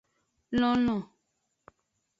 Lonlon.